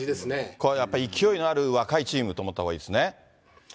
これやっぱり勢いのある若いチームと思ったほうがいいですね。